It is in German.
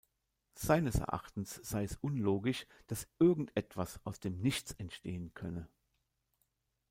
Seines Erachtens sei es unlogisch, dass irgendetwas aus dem „Nichts“ entstehen könne.